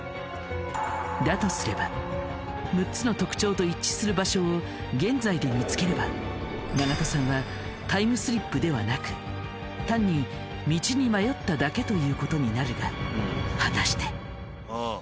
だとすれば６つの特徴と一致する場所を現在で見つければ長門さんはタイムスリップではなく単に道に迷っただけということになるが果たして。